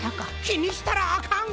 きにしたらあかん！